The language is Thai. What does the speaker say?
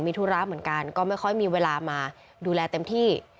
มีธุระเหมือนกันก็ไม่ค่อยมีเวลามาดูแลเต็มที่